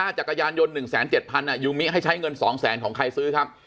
ค่าจักรยานยนต์หนึ่งแสนเจ็ดพันอ่ะยูมิให้ใช้เงินสองแสนของใครซื้อครับ